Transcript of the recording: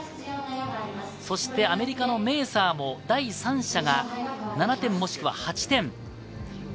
アメリカのメーサーも第３射が７点、もしくは８点。